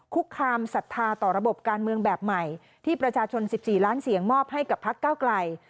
คุกคามศรัทธาต่อระบบการเมืองแบบใหม่ที่ประชาชน๑๔ล้านเสียงมอบให้กับพักเก้าไกล